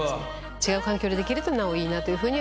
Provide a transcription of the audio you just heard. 違う環境でできるとなおいいなというふうには思います。